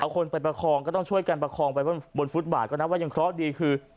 เอาคนไปประคองก็ช่วยกันประคองมาบนฟุตบาตรก็นะว่าที่ยังเคราะห์ดดีคือ